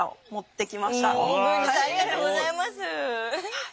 郡司さんありがとうございます。